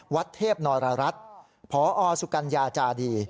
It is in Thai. วัดเทพนรรัฐพอสุกัญญาจาดี